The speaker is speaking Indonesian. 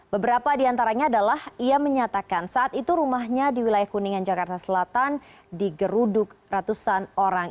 beberapa diantaranya adalah ia menyatakan saat itu rumahnya di wilayah kuningan jakarta selatan digeruduk ratusan orang